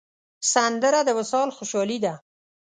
سندره د وصال خوشحالي ده